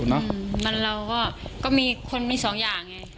ดังนั้นเราก็มีคนมีสองอย่าง